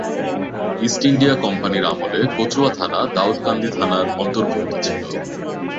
East India কোম্পানীর আমলে কচুয়া থানা দাউদকান্দি থানার অন্তর্ভুক্ত ছিল।